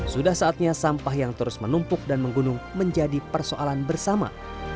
sudah saatnya sampah yang terus menumpuk dan menggunung menjadi persoalan bersama